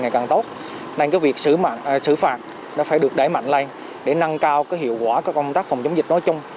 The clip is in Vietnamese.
ngày càng tốt nên việc xử phạt đã phải được đáy mạnh lên để năng cao hiệu quả công tác phòng chống dịch nói chung